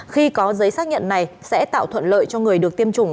khi có giấy xác nhận này sẽ tạo thuận lợi cho người được tiêm chủng